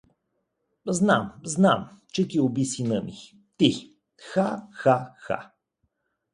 Знам, знам, че ти уби сина ми… ти… ха, ха, ха!